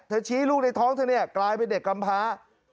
ชี้ลูกในท้องเธอเนี่ยกลายเป็นเด็กกำพา